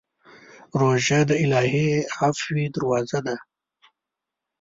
روژه د الهي عفوې دروازه ده.